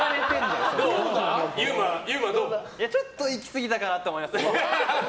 ちょっと行き過ぎたかなと思います。